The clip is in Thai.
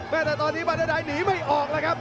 แม้แต่ตอนนี้บาร์เดอร์ไดท์หนีไม่ออกเลยครับ